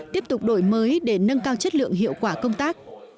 tiếp tục đổi mới để nâng cao chất lượng hiệu quả công tác